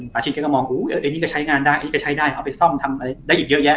ป่าเช็ดก็มองอู๋อันนี้ก็ใช้งานได้เอาไปซ่อมทำอะไรได้อีกเยอะแยะ